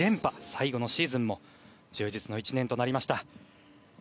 最後のシーズンも充実の１年となりました。